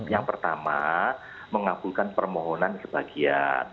yang pertama mengabulkan permohonan sebagian